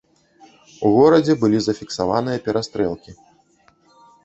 У горадзе былі зафіксаваныя перастрэлкі.